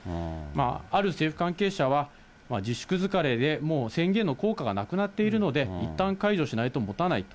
ある政府関係者は、自粛疲れで、もう宣言の効果がなくなっているので、いったん解除しないともたないと。